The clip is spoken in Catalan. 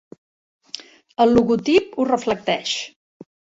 El logotip ho reflecteix.